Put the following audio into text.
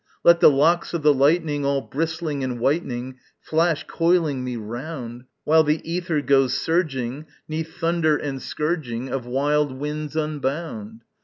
Let the locks of the lightning, all bristling and whitening, Flash, coiling me round, While the æther goes surging 'neath thunder and scourging Of wild winds unbound!